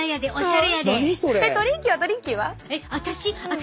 私？